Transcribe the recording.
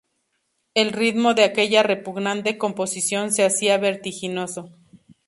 El ritmo de aquella repugnante composición se hacía vertiginoso.